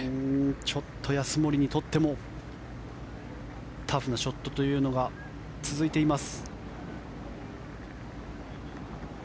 ちょっと安森にとってもタフなショットというのが続いています。